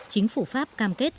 chính phủ pháp cam kết